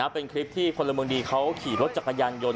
เป็นคลิปที่พลเมืองดีเขาขี่รถจักรยานยนต